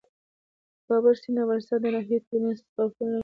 د کابل سیند د افغانستان د ناحیو ترمنځ تفاوتونه رامنځته کوي.